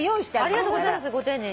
ありがとうございますご丁寧に。